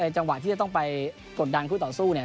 จังหวะที่จะต้องไปกดดันคู่ต่อสู้เนี่ย